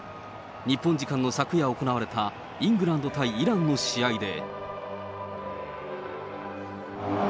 日本時間の昨夜行われたイングランド対イランの試合で。